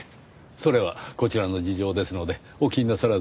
それはこちらの事情ですのでお気になさらず。